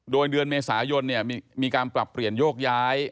โดยเดือนเมษายนมีการปรับเปลี่ยนโยกย้าย